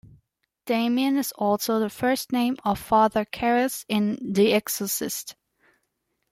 Damien is also the first name of Father Karras in "The Exorcist".